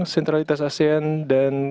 sentralitas asean dan